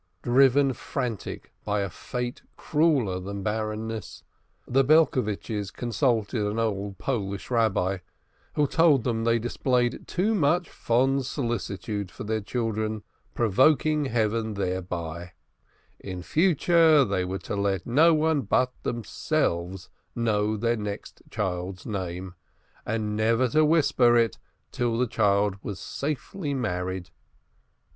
Driven frantic by a fate crueller than barrenness, the Belcovitches consulted an old Polish Rabbi, who told them they displayed too much fond solicitude for their children, provoking Heaven thereby; in future, they were to let no one but themselves know their next child's name, and never to whisper it till the child was safely married.